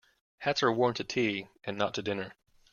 Hats are worn to tea and not to dinner.